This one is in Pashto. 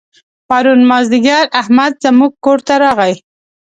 پرون مازدیګر احمد زموږ کور ته راغی.